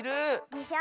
でしょ。